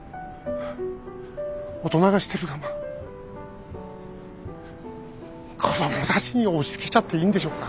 大人がしてる我慢子供たちに押しつけちゃっていいんでしょうか？